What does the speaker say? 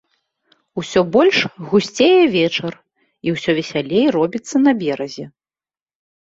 Усё больш гусцее вечар, і ўсё весялей робіцца на беразе.